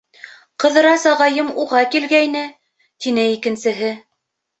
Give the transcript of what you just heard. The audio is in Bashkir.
Ҡыҙырас ағайым уға килгәйне, -тине икенсеһе.